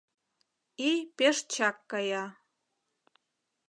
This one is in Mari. Ий пеш чак кая.